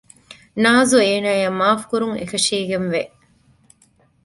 ނާޒު އޭނާއަށް މާފު ކުރުން އެކަށީގެންވެ